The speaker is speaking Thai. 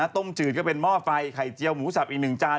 ต้มจืดก็เป็นหม้อไฟไข่เจียวหมูสับอีกหนึ่งจาน